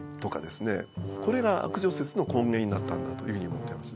これが悪女説の根源になったんだというふうに思ってます。